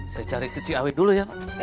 saya cari kecik awi dulu ya pak